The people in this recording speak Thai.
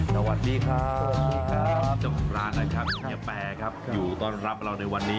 สวัสดีครับอย่าแปลครับอยู่ต้อนรับเราในวันนี้